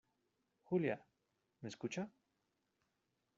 Julia, ¿ me escucha?